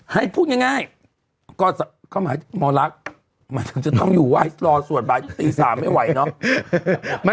ให้พูดง่ายก็หมายมองลักษณ์จะต้องอยู่ไว้รอสวดบ่ายตี๓ไม่ไหวเนอะ